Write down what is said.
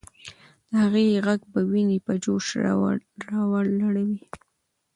د هغې ږغ به ويني په جوش راوړلې وې.